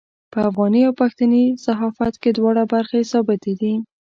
په افغاني او پښتني صحافت کې دواړه برخې ثابتې دي.